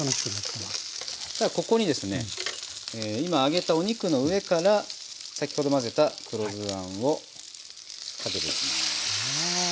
ここにですね今揚げたお肉の上から先ほど混ぜた黒酢あんをかけていきます。